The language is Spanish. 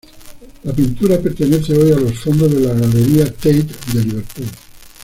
La pintura pertenece hoy a los fondos de la galería Tate de Liverpool.